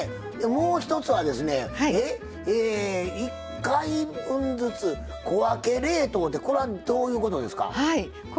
もう一つはですね「１回分ずつ小分け冷凍」ってこれはどういうことですか？